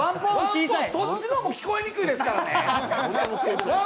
そっちの方も聞こえにくいですからね。